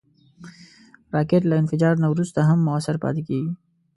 راکټ له انفجار نه وروسته هم مؤثر پاتې کېږي